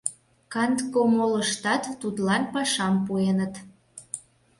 Канткомолыштат тудлан пашам пуэныт: